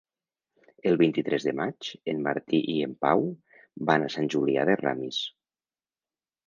El vint-i-tres de maig en Martí i en Pau van a Sant Julià de Ramis.